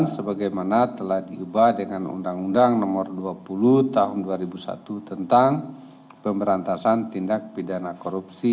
sebagaimana telah diubah dengan undang undang nomor dua puluh tahun dua ribu satu tentang pemberantasan tindak pidana korupsi